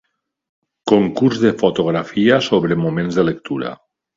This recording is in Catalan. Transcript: Concurs de fotografia sobre "moments de lectura".